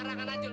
nih rasain dong